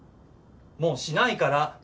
もうしないから！